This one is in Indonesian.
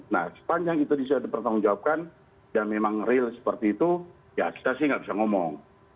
nah sepanjang itu bisa dipertanggungjawabkan dan memang real seperti itu ya kita sih nggak bisa ngomong